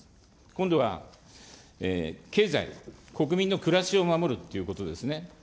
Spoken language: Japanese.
今度は経済、国民の暮らしを守るということですね。